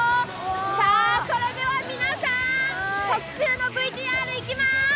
さあ、それでは皆さん、特集のＶＴＲ、いきます。